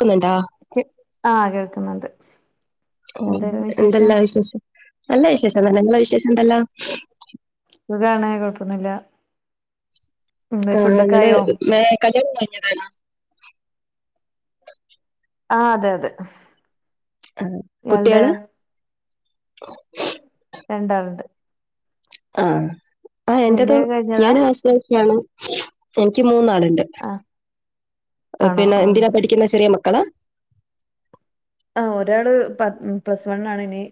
എന്നണ്ടാ ആ കേൾക്കുന്നുണ്ട് ഓ എന്തായാലും വിശേഷം എന്തല്ലാ വിശേഷം നല്ല വിശേഷം തന്നെ നിങ്ങളെ വിശേഷം എന്തല്ലാ സുഖണ കുഴപ്പൊന്നില്ല ആ നിടെ മ കല്യാണം കഴഞ്ഞതാണോ [unintelligible] ആ അതെ അതെ ആ ഇയാളുടെ കുട്ടികള് [unintelligible] രണ്ടാളുണ്ട് ആ ആ എൻറെത് നിന്റെ കഴിഞ്ഞതാ ഞാൻ ആശ്വാസാണ് എനിക്ക് മൂന്നാൾ ഉണ്ട് ആഹ് ആണോ പിന്നെ ആഹ് എന്തിനാ പഠിക്കുന്ന ചെറിയ മക്കളാ ഒരാള് പ്ലസ് വണ് ആണ് ഇനി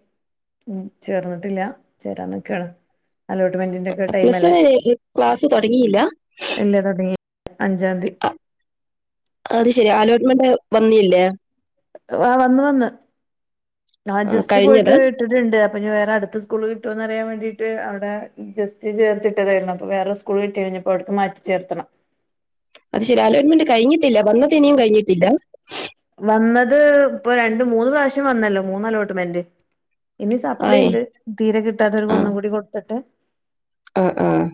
ഉം ചേർന്നിട്ടില്ല ചേരാ നിക്കാണ് അലോട്ട്മെന്റിന്റെ ഒക്കെ ടൈം പ്ലസ് അല്ലേ വൺ ക്ലാസ് തുടങ്ങിയില്ല അല്ലത അത അഞ്ചാംതി അത് ശരി അലോട്ട്മെന്റ് വന്നില്ലേ ആ വന്ന് വന്ന് ആ ജസ്റ്റ് പോയിട്ട് കഴിഞ്ഞത് ഇട്ടിട്ടുണ്ട് ഓന് വേറെ അടുത്ത സ്കൂൾ കിട്ടുമോന്ന് അറിയാൻ വേണ്ടിട്ട് അവിടെ ജസ്റ്റ് ചേർത്തിട്ടതായിരുന്നു അപ്പൊ വേറെ സ്കൂൾ കിട്ടി ഇനിയിപ്പോ അവിടേക്ക് മാറ്റി ചേർക്കണം അത് ശരി അലോൻമെന്റ് കഴിഞ്ഞിട്ടില്ല വന്നത് ഇനിയും കഴിഞ്ഞിട്ടില്ല വന്നത് ഇപ്പൊ രണ്ട് മൂന്ന് പ്രാവശ്യം വന്നല്ലോ മൂന്ന് അലോട്ട്മെന്റ് ഇനി ആയേ സപ്ലിണ്ട് തീരെ കിട്ടാതോൽക്ക് ആഹ് ഒന്നും കൂടി കൊടുത്തിട്ട് ആഹ് ആഹ്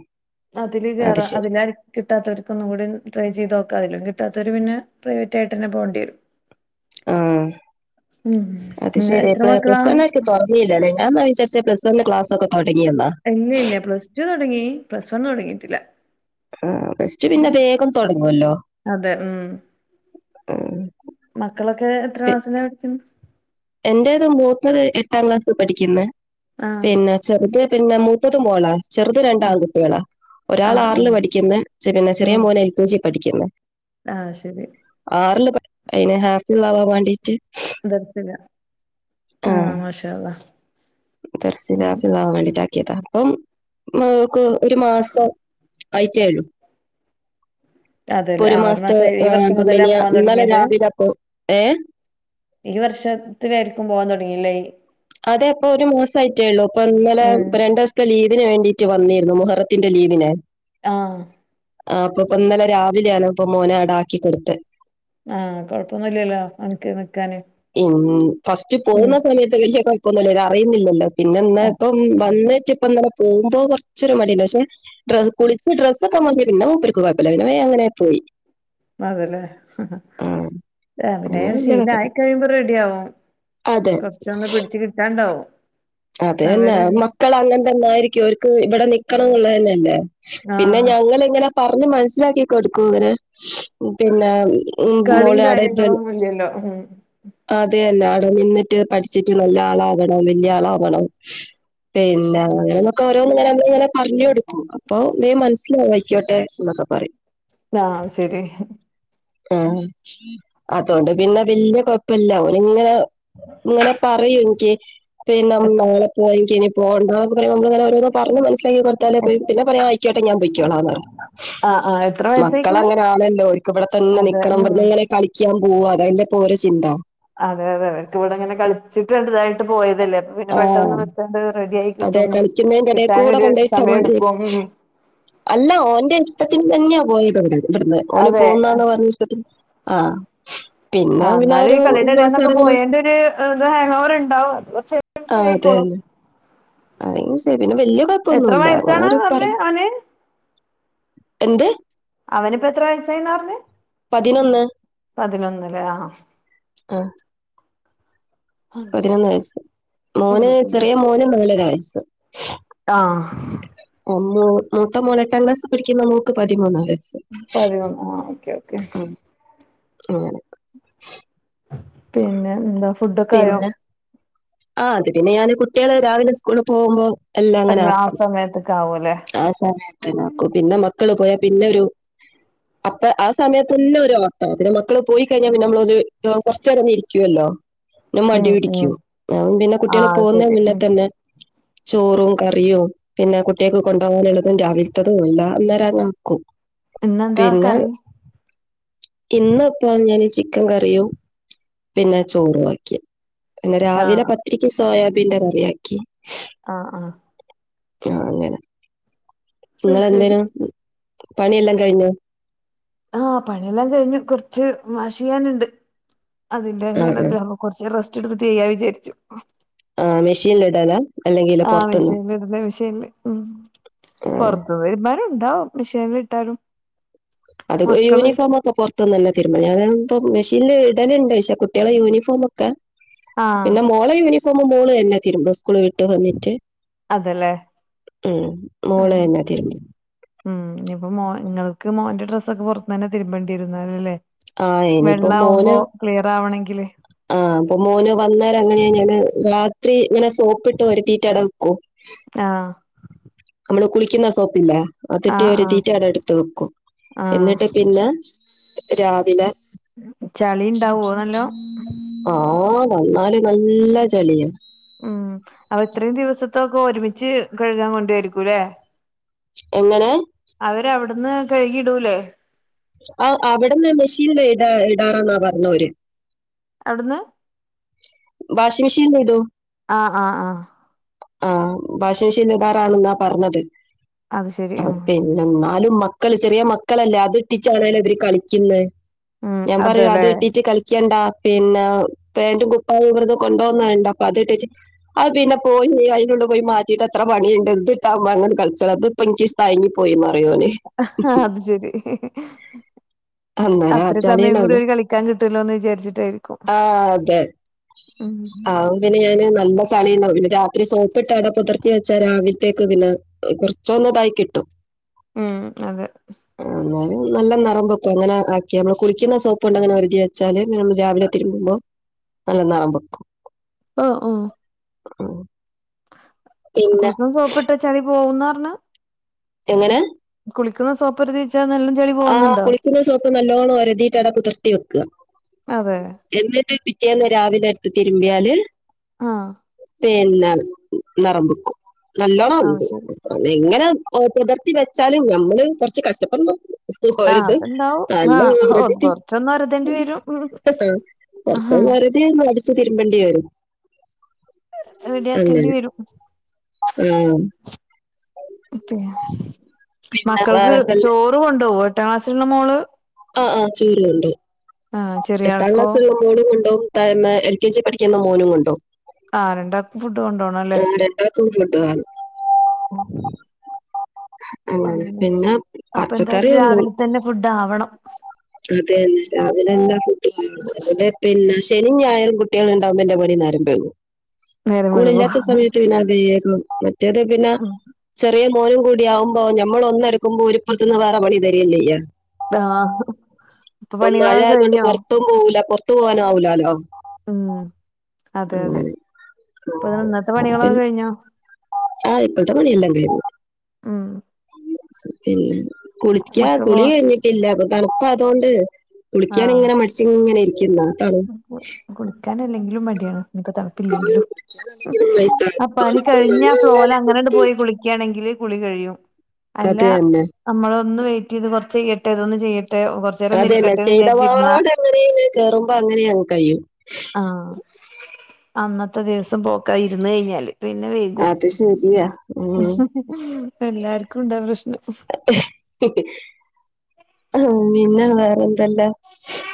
അതില് അത് കേറ ശരി അതില കിട്ടാത്തവർക്ക്‌ ഒന്നും കൂടി ട്രൈ ചെയ്ത് നോക്കാം കിട്ടാത്തവര് പിന്നെ പ്രൈവറ്റ് ആയിട്ട് തന്നെ പോവേണ്ടി വരും ആ അത് ഉം ശരി എത്ര മക്കളാ പ്ലസ് വണ്ണ് കാർക്ക് തുറന്നീല്ലല്ലേ ഞാൻ എന്നാ വിചാരിച്ചെ പ്ലസ് വണ്ണിന് ക്ലാസൊക്കെ ഇല്ല ഇല്ല പ്ലസ് ടു തുടങ്ങി പ്ലസ് വൺ തുടങ്ങീട്ടില്ല ആ പ്ലസ് ടു പിന്നെ വേഗം തൊടങ്ങുവല്ലോ അതെ ഉം ആ എത്ര മക്കളൊക്കെ പി- ക്ലാസിലാ പഠിക്കുന്നേ എന്റേത് മൂത്തത് എട്ടാം ക്ലാസ് പഠിക്കുന്ന് ആഹ് പിന്നെ ചെറുത് പിന്നെ മൂത്തത് മോളാ ചെറുത് രണ്ട് ആൺ ആഹ് കുട്ടികളാ ആഹ് ഒരാള് ആഹ് ആറില് പഠിക്കുന്നു പിന്നെ ചെറിയ മോന് എൽ കെ ജിയിൽ പഠിക്കുന്നു ആ ശരി ആറില് അയിന് ഹാഫിള് ആവാൻ വേണ്ടിട്ട് ആ മാഷാഅല്ലാഹ്‌ ദർസില് ഹാഫിളാവാൻ വേണ്ടിയിണ്ട് ആക്കിയതാ അപ്പം [unintelligible] ഒരു മാസം അയിട്ടേയുള്ളു ഇപ്പൊ അതെല്ലേ ഒരു ആ മാസത്തെ മാസായി ഈ അ വർഷം മുതലാ മിനിയാ പോവാൻ ഇന്നലെ തുടങ്ങിയത് രാവിലെ അപ്പോ ഏ ഈ വർഷത്തില് ആയിരിക്കും പോവാൻ തുടങ്ങിയത് അല്ലേ അതെ ഇപ്പൊ ഒരു മാസം ആയിട്ടേള്ളൂ ഇപ്പം ഇന്നലെ ഉം രണ്ട് ദിവസത്തെ ലീ വിന് വേണ്ടീട്ട് വന്നതായിരുന്നു മുഹറത്തിന്റെ ലീവിന് ആ ആ അപ്പൊ ഇപ്പം ഇന്നലെ രാവിലെയാണ് ഇപ്പം മോന അവിടാക്കി കൊടുത്തെ ആഹ് കൊഴപ്പൊന്നുല്ലല്ലോ അനക്ക് നിക്കാന് ഉം ഫസ്റ്റ് ഉം പോകുന്ന സമയത്ത് വല്ല്യ കുഴപ്പൊന്നുവില്ല അവര് അറിയുന്നില്ലല്ലോ പിന്നെ എന്നാ ആഹ് ഇപ്പം വന്ന് നോ ക്കിയപ്പോ ഇന്നലെ പോവുമ്പോ ഒരു ഇച്ചിരി മടിയുണ്ടായിരുന്നു പക്ഷെ ഡ്ര കുളിച്ച ഡ്രസൊക്കെ മാറി പിന്നെ മൂപ്പർക്ക് കുഴപ്പല്ല പിന്നെ അവർക്ക് കുഴപ്പമില്ലാരുന്നു അങ്ങനെ പോയി അതേ അല്ലേ ആഹ് പിന്നെ അഭിനയം വലിയ ശീല മായി കുഴപ്പമില്ല കഴിയുമ്പോ റെഡി ആവും അതെ കുറച്ചൊന്ന് പിടിച്ച് കിട്ടാണ്ടാവും അത് തന്നെ അവരൊരു മക്കൾ അങ്ങന തന്നെയായിരിക്കും അവർക്ക് ഇവിടെ നിക്കണം എന്നുള്ളത് തന്നെയല്ലേ പിന്നെ ആഹ് ഞങ്ങളിങ്ങനെ പറഞ്ഞ് മനസ്സിലാക്കി കൊടുക്കും ഇങ്ങനെ പിന്നെ ഉം കളിയും മോളെ അവിടെ കാര്യങ്ങളൊന്നും ഇല്ലല്ലോ ഉം അതെന്നെ നിന്നിട്ട് പഠിച്ചിട്ട് നല്ല ആളാവണം വല്യ ആളാ വണം പിന്നെ അങ്ങനെ ഇങ്ങനെയൊക്കെ ഓരോന്ന് ഇങ്ങനെ നമ്മളിങ്ങനെ പറഞ്ഞു കൊടുക്കും അപ്പൊ ഇതേ മന ആയിക്കോട്ടെ എന്നൊക്കെ പറയും ആ ശരി ആ അത് കൊണ്ട് പിന്നെ വല്യ കൊഴപ്പില്ല ഓല് ഇങ്ങനെ ഇങ്ങനെ പറയും എനിക്ക് പിന്നെ നാളെ പോവാം എനിക്കിനി പോവണ്ടാ നമ്മളിങ്ങനെ ഓരോന്ന് പറഞ്ഞ് മനസ്സിലാക്കി കൊടുത്താല് പോയി പിന്നെ പറയാം ആയ്ക്കോട്ടെ ഞാൻ പൊയ്ക്കോളാന്ന് പറയും ആഹ് ആഹ് എത്ര മക്കള് വയസ്സായിക്കണ് അങ്ങനെ ആണല്ലോ ഓരിക്ക് ഇവിടെ തന്നെ അതെ നിക്കണം പറഞ്ഞ് ഉം അങ്ങനെ കളിക്കാൻ പോവാം അതാ അല്ലേ ഇപ്പോ ഓരുടെ ചിന്ത അതെ അതെ അവർക്ക് ഇവിടെങ്ങനെ കളിച്ചിട്ട് വലുതായിട്ട് പോയ അതല്ലേ പിന്നെ ആഹ്. പെട്ടന്ന് വെക്കാണ്ട് റെഡിയായി അതെ കിട്ടും കളിക്കുന്നേന്റെ എടേ കിട്ടാൻ കൂടെ ഒരു കൊണ്ടോയിട്ട സമയം മാതിരി എടുക്കും അല്ല ഓന്റെ ഇഷ്ടത്തിന് തന്നെയാ പോയത് ഇവിടു ഇവിടുന്ന് ഓന് അതെ ആ പോകുന്നാന്ന് പറഞ്ഞ് ഇഷ്ടത്തി ആ ആ പിന്നെ പിന്നെ എന്നാലും ഒരു ഈ കളിയുടെ മാസം ഇടയിന്നൊക്കെ ഇറങ്ങി പോയന്റെ ഒരു ഹാങ് ഓവർ ഉണ്ടാവും ചെ ശരി ആയികോളും അ ശരി പിന്നെ വല്ല്യ കുഴപ്പൊന്നുമല്ല വയസ്സാണ് ങ്ങരു പറ പറഞ്ഞെ അവന് എന്ത് അവനിപ്പോ എത്ര വയസായിന്നറിഞ്ഞ പതിനൊന്ന് പതിനൊന്ന് അല്ലേ ആ ആ പതിനൊന്ന് വയസ്സ് ഉം മോന് ചെറിയ മോന് നാലര വയസ്സ് ആ ആ, മൂത്ത മോൻ എട്ടാം ക്ലാസിൽ പഠിക്കുന്ന മോക്ക് പതിമൂന്നാ പതിനൊന്ന് ആ ഓക്കെ ഓക്കെ ഉം, അങ്ങനെ പിന്നെ എന്താ ഫുഡൊക്കെ ആയോ പിന്നെ ആ അത് പിന്നെ ഞാന് കുട്ടികള് രാവിലെ സ്കൂളിൽ പോകുമ്പോ അത് മാ ആ സമയത്ത് ആഹ് [unintelligible] പിന്നെ മക്ക മക്കള് പോയാ പിന്നെ ഒരു അപ്പ ആ സമയത്ത്ന്നെ ഒരു ഓട്ട പിന്നെ മക്കൾ പോയി കഴിഞ്ഞാ പിന്നെ നമ്മളൊ ഒരു കൊറച്ചെരോന്ന് ഇരിക്കുവല്ലോ പി മടി ഉം ഉം പിടിക്കും പിന്നെ കുട്ടികള് ആഹ് പോകുന്ന ശരി പിന്നെ ഉം തന്നെ ചോറും, കറിയും, പിന്നെ കുട്ട്യാക് കൊണ്ടുപോകാനുള്ളതും രാവിലത്തതും മല്ല അന്നേരം നോക്കും ഇന്നെന്താ കറി ഇന്നപ്പോ ഞൻ ചിക്കൻ കറിയു പിന്നെ ചോറു ആക്കി പിന്നെ രാവിലെ ആഹ് പത്തിക്ക് സോയാബീന്റെ കറി ആക്കി ആ ആ ആ അങ്ങനെ അത് നിങ്ങെന്തേന ശരി പണിയെല്ലാം കഴിഞ്ഞു ആ പണിയെല്ലാം കഴിഞ്ഞു കൊറച്ച് വാഷ് ചെയ്യാനുണ്ട് അതില്ല ആ ആ ഇങ്ങനെല്ല അപ്പൊ കൊറച്ച റെസ്റ്റ് എടുത്തിട്ട് ചെയ്യാ വിചാരിച്ചു ആ മെഷീൻ ലടല്ല ആ മിഷി ഇുന്ന മിഷീൽ ആ പുറത്ത് തിരുമ്പൻ ണ്ടാവും മഷീന ഇട്ടാലും അത് യൂണിഫോമ ഒക്കെ പുറത്തുനിന്ന തന്നെ തരുമ്മ ഞാ ഇപ്പൊ മെഷീനിൽ ഇടലുണ്ട് പക്ഷെ കുട്ടികളെ യൂണിഫോമ ഒക്കെ ആഹ് പിന്നെ മോളെ യൂണഫോം ുമ മോള് തന്നെ തിരുമ്പോ സ്ക്കളി വിട്ട് വന്നിട്ട് അതല്ലേ ഉം മോളെ ആഹ് തന്നെ തിരുമ്പ ഉം ഇനിയിപ്പൊ മോ നിങ്ങൾക്ക് മോന്റെ ഡ്രസ്സ ഒക്കെ പുറത്തു തന്നെ തിരുമ്പേണ്ടിയിരു ന്നലല്ലേ ആ ഇനിയിപ്പോ വെള്ള മോന് ആകുമ്പോ ക്ലിയർ ആവണെങ്കിൽ ആ അപ്പൊ ഒത്തിരി ഇങ്ങനെ സോപ്പിട്ട് ഒരുത്തീറ്റട വെക്കൂ ആഹ് നമ്മള് കുളിക്കുന്ന സോപ്പില്ല അതിട്ട് ആഹ് ഒരു ആഹ് തീറ്റടെ എടുത്ത് വെക്കും ആഹ് എന്നിട്ട് പിന്നെ രാവിലെ ചളി ഇണ്ടാവോ നല്ലോം ആ ഓ വന്നാല് നല്ല ചെളിയ ഉം അപ്പൊ ഇത്രയും ദിവസത്തൊക്കെ ഒരുമിച്ച് കഴുകാൻ കൊണ്ടപയിരിക്കൂല്ലേ എങ്ങനെ അന്ന് കഴുകിടൂലേ ആ അവിടെന്ന് മെഷീന ഇടാ ഇടാറാന്നാ പറഞ്ഞോര് എവിടന്ന് വാഷിംഗ് മെഷീൻ ഇടൂ ആഹ് ആഹ് ആ ആ ഭാഷണശീലദാറാണെന്നാ പറഞ്ഞത് അത് ശെരി ആ ന്നാലും മക്കള് ചെറിയ മക്കളല്ലേ അത്ട്ടിച്ചാണലോ ഇതിര് കളിക്കുന്നത് ഉം ഞാൻ പറയൂ അത് അതെല്ലേ ഇട്ടീട്ട് കളിക്കണ്ടാ പിന്നെ പാന്റും കു അ വ്രതം കൊണ്ടോവ്ന്നെ കണ്ട് അപ്പൊ അതിട്ട അത് പിന്നെ പോയി അതിനുള്ള പോയി മാറ്റിയിട്ട് അത്ര പണിയുണ്ട് ഇട്ട്പോ അങ്ങന കള ഇത് ഇപ്പൊ ഇന്കി തയങ്ങി പോയി ആ അത് ശരി അന്നേരം ആ അത്ര സമയം കൂടി ചളിയുണ്ടാവും. ഒരു കളിക്കാൻ കിട്ടല്ലോ എന്ന് വിചാരിച്ചിട്ടായിരിക്കും ഉം ആ പിന്നെ ഞാന് നല്ല ചളി പിന്നെ രാത്രി സോപ്പിട്ടാട പുതിർത്തി വെച്ചാ രാവിലെ ത്തേക്ക് പിന്നെ കുറച്ചന്ന ഇതായി കിട്ടും ഉം അതെ ആഹ് എന്നാലും നല്ല നെറം വെക്കും അങ്ങനെ ആക്കിയ നമ്മള് കുളിക്കുന്ന സോപ്പ് ഉണ്ട് അങ്ങനെ ഒരതി വെച്ചാല് നമ്മള് രാവിലെ തിരുമ്പുമ്പോ നല്ല നെറം വെക്കും ആഹ ആഹ ആ കുളിക്കുമ്പോ സോപ്പ് ഇട്ടാൽ ചളി പോവുന്ന പറഞ്ഞ എങ്ങനെ കുളിക്കുന്ന സോപ്പ് ഒരതി ആ കുളിക്കുന്ന സോപ്പ് നല്ലോണ്ണം ഉരതിയിട്ട് അട പുതിർത്തി വെക്കുക അതെ എന്നിട്ട് പിറ്റേന്ന് രാവിലെ തിരുമ്പിയാല് ആഹ് പിന്നെ നിറംമ്പക്കും നല്ലോണം അത് ഉണ്ട് ശരി എങ്ങനെ പുതിർത്തി വെച്ചാലും ഞ മ്മള് കൊറച്ച് കഷ്ടപ്പെടണം ആഹ് ഒരത് അത്ണ്ടാവും നല്ല ആഹ് ഓ ഒരതി കൊറച്ചൊന്ന് ഒരതേണ്ടി വരും ഉം കുറച്ച ആഹ് വെറുതെ മടിച്ചു തിരുമ്പണ്ടി വരും റെഡി ആക്കേണ്ടി അങ്ങനെ വരും ആഹ് അത പിന്നെ മക്കൾക്ക് വേറെന്തല്ല ചോറ് കൊണ്ടോവൊ എട്ടാം ക്ലാസ്സിലുള്ള മോള് ആഹ ആ് ചോറ് കൊണ്ടോവും ആഹ് ചെറിയ എട്ടാം ആൾക്കോ ക്ലാസ്സൽ ഉള്ള മോൾ കൊണ്ടോവും താഴെ എൽ കെ ജി പഠിക്കുന്ന മോനും കൊണ്ടോവും ആ രണ്ടാക്കും ഫുഡ് കൊണ്ടോണംല്ലേ [unintelligible] ഓ അങ്ങനെ പിന്നെ അപ്പൊ എന്തായാലും പച്ചക്കറിയൊന്നും രാവിലെ തന്നെ ഫുഡ് ആവണം അതെ തന്നെ രാവിലെ എല്ലാ ഫുഡ് കാും അുകടെ ശനി ഞായറും കുട്ടികൾ ഉണ്ടാവുമ്പോന്റെ പണി നേരം വെയ്കും നേരം വൈകുവോ സ്കൂളില്ലാത്ത സമയത്ത് പിന്നാ വേഗം മറ്റേത് പിന്നെ ചെറിയ മോനും കൂടിയകുമ്പോ നമ്മള ഒന്നടുക്കുമ്പോ ഒരുപ്പുത്തു നിന്ന് വേറെ പണി തരിയല്ലെ ചെയ്യാ ആഹ അപ്പൊ മഴ ആയത് കൊൊണ്ട് പൊറത്തും പോവൂല പുറത്തു പോവാന് ആവൂലാലോ ഉം അതെ അതെ ഇപ്പൊ ഇത് ഇന്നത്തെ പണികളൊക്കെ അങ്ങനെ കഴിഞ്ഞോ ആഹ് ഇപ്പഴത്തെ പണി എല്ലാം തീർന്നു ഉം പിന്നെ കുളിക്കാ മക്കള് കുളി പോവാ കഴിഞ്ഞിട്ടില്ല അപ്പ തണുപ്പാ അതൊണ്ട് കുളിക്കാന് ഇങ്ങനെ മടിച്ച് ഇങ്ങനെ ഇരിക്ക്ന്ന കുളിക്കാൻ അല്ലെങ്കിലും മടിയാണ് ഇപ്പ തണുപ്പ് ഇല്ലങ്കിലും കുളിക്കാനാണെങ്കിലും വൈ ത- ആ പണി തണുപ്പ് കഴിഞ്ഞ ഫ്ലോല് മഴയായാലേ അങ്ങനണ്ട് പോയി പ്രത്യേകിച്ച് കുളിക്കാണെങ്കിൽ കുളി കഴിയും അല്ല അത് തന്നെ നമ്മള ഒന്ന് വെയിറ്റ് ചെയ്ത് കുറച്ച് കയ്യട്ടെ ഇതൊന്ന് ചെയ്യട്ടെ കൊറച്ചേരം ഒന്ന് അതെന്നെ ഇരിക്കട്ടെന്ന് ചെയ്തപാട് വിചാരിച്ചിരുന്ന അങ്ങനെയ കേറുമ്പോ അങ്ങന അങ്ങനെ അങ്ങ് കഴിയും ആഹ് അന്നത്തെ ദിവസം പോക്ക ഇര്ന്ന് കഴിഞ്ഞാല് പിന്നെ വൈകും അത് ശരിയാ ഉം. എല്ലാർക്കും ഇണ്ടാ പ്രശ്നം ആ പിന്ന വേറെ അതല്ല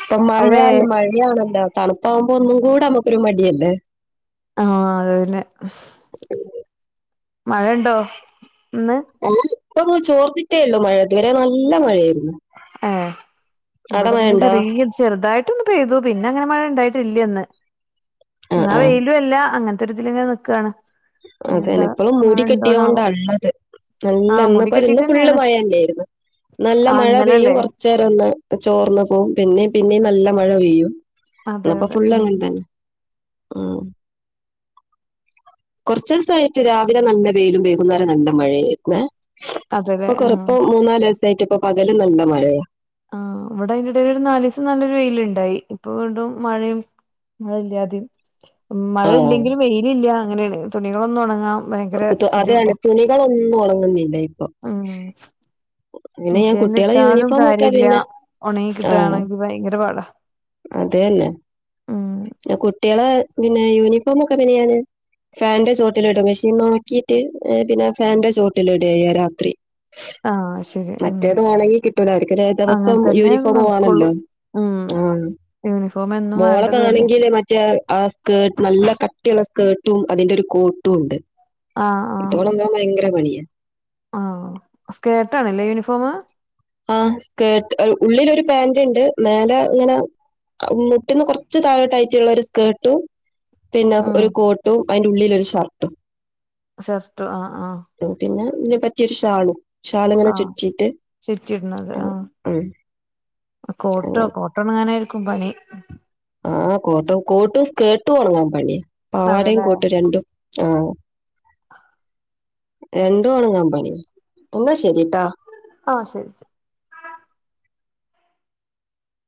ഇപ്പൊ മഴ വേ മഴയാണല്ലോ തണുപ്പാകുമ്പോ ഒന്നും കൂടെ നമ്മുക്കൊരു മടിയല്ലേ ആഹ അത് പിന്നെ മഴണ്ടോ ഏഹ്, ഇപ്പൊന്ന് ചോർത്തിട്ടെയൊള്ളു മഴ ഇതുവരെ നല്ല മഴയെനി ഏഹ്, ഇവിടെന്ന് ചെറിയ ചെറുതായിട്ടൊന്നു പെയ്തു പിന്നങ്ങനെ മഴ ഇണ്ടായി ഇവിടെല്ല്യന്ന്, ആ ഇന്നാ ആ വെയിലു അല്ല അങ്ങൻത്തൊരിതിലിങ്ങന നിക്കാണ്. ഇനി അതെന്നെ, എന്താ ഇപ്പളും മഴ ഉണ്ടോണാവോ മൂടികെട്ടിയോണ്ടാള്ളത്. നല്ല ആഹ് മുടി കെട്ടിട്ട് ഇന്ന് ഫുള്ള് തന്നെയാണ് മയന്നെയായിരുന്നു നല്ല നല്ല ആഹ് മഴ പെയ്യും ഇന്നലല്ലേ കുറച്ചേരം ഒന്ന് ചോർന്ന് പോകും പിന്നെ പിന്നെയും നല്ല മഴ പെയ്യും അതെ ഇന്നിപ്പൊ അതെ ഫുളള് ഉം അങ്ങൻതന്നെ ഉം കുറച്ചിസായിട്ട് രാവിലെ നല്ല വെയിലും വൈകുന്നേരം നല്ല മഴയേര്ന്നെ ഇപ്പൊ അതെല്ലേ കൊറ ആഹ് ഇപ്പൊ മൂന്നാലിസായിട്ട് ഇപ്പ പകലും നല്ല മഴയാ ആഹ്, ഇവിടെ അതിന്റെടയിലൊരു നാലീസം നല്ലൊരു വെയിലിണ്ടായി, ഇപ്പൊ വീണ്ടും മഴയും മഴ ഇല്ലാതിം, മഴ ആഹ് ഇല്ലെങ്കില് വെയിലില്ല അങ്ങനെണ്. തുണികളൊന്നും ഒണങ്ങാം ഭയങ്കര കുത്തു അതാണ് ബുദ്ധിമുട്ടാ, തുണികളൊന്നും ഉണങ്ങുന്നില്ല ഇപ്പൊ [inaudible] ഹ്മ്മ് പിന്നെ ഞാൻ കുട്ടികളെ മിഷിനിലിട്ടാലും യൂണിഫോം ഒക്കെ കാര്യല്ല, പിന്നെ ഒണങ്ങി കിട്ടാനാണെങ്കിൽ ഭയങ്കര പാടാ അതെയന്നെ, ഉം കുട്ടിയെളെ പിന്നെ യൂണിഫോമൊക്കെ പിന്നെ ഞാന് ഫാന്റെ ചോട്ടിലിടും മിഷിന്നൊണക്കീട്ട് ഏഹ് പിന്നെ ഫാൻന്റെ ചോട്ടിലിടയ്യാ രാത്രി ആഹ് ശരി ഉം മറ്റേത് ഒണങ്ങി കിട്ടൂലാ, അവര്ക്ക് ദ അങ്ങനെ ദവസം തന്നെ യൂണിഫോമ് നടക്കുള്ളൂ വാണല്ലോ ഉം ആഹ്. യൂണിഫോം എന്നും വേണ്ടതു അല്ലേ മോളതാണെങ്കില് മറ്റേ ആ സ്കേർ നല്ല കട്ടിയുള്ള സ്കേർ ട്ടും അതിന്റൊരു കോട്ടുണ്ട്, ആഹ് ആഹ് അതൊണങ്ങാൻ ഭയങ്കര പണിയാ ആഹ്, സ്കേർട്ടാണല്ലേ യൂണിഫോമ്. ആഹ് സ്കേർട്ട്. ഉള്ളിലൊരു പാന്റ്ണ്ട് മേലെ ഇങ്ങനെ ആഹ് മ് മുട്ടിന്ന് കൊർച്ച് താഴോട്ടായിറ്റുള്ളൊരു സ്കേർട്ടും, പിന്നെ ഉം ഒരു കോട്ടും അയിൻ്റെ ഉള്ളിലൊരു ഷർട്ടും. ഷർട്ടോ ആഹ്, ആഹ് ഇതിനെപറ്റിയൊരു ഷാളും, ഷാളിങ്ങനെ ആഹ് ചുറ്റീട്ട് ചുറ്റിയിടുന്നത് ആഹ്, [inaudible] കോട്ടോ അങ്ങനെ കോട്ടോണങ്ങാനായിരിക്കും പണി ആഹ് കോട്ടും, കോട്ടും സ്കേർട്ടും ഒണങ്ങാൻ പണിയ പാവാടയും അതെല്ലേ കോട്ടും രണ്ടും ആഹ് [inaudible] രണ്ടും ഒണങ്ങാൻ പണിയാ, എന്നാ ശെരി ആഹ്, ശെരി ശെരി.